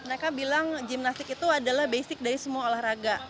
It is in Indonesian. mereka bilang gimnastik itu adalah basic dari semua olahraga